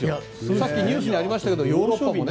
さっきニュースにありましたけどヨーロッパもね。